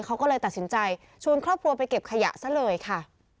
เขาก็เลยตัดสินใจชวนครอบครัวไปเก็บขยะซะเลยค่ะ